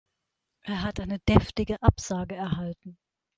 Er hat eine deftige Absage erhalten.